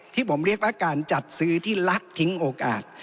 ที่ผมเรียกว่าการจัดซื้อที่ลักทิ้งโอกาส